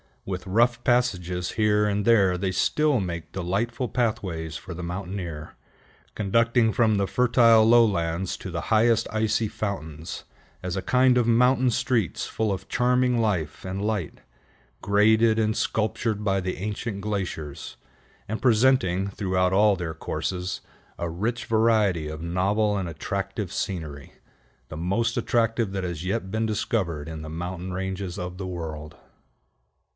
With rough passages here and there they still make delightful pathways for the mountaineer, conducting from the fertile lowlands to the highest icy fountains, as a kind of mountain streets full of charming life and light, graded and sculptured by the ancient glaciers, and presenting, throughout all their courses, a rich variety of novel and attractive scenery, the most attractive that has yet been discovered in the mountain ranges of the world.